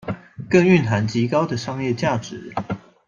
更蘊含極高的商業價值